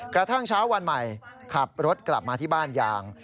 กระทั่งเช้าวันใหม่ขับรถกลับมาที่บ้านยาง